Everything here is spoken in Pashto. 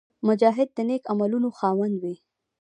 مجاهد د نېک عملونو خاوند وي.